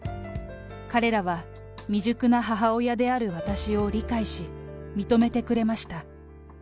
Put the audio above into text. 彼らは未熟な母親である私を理解し、認めてくれました。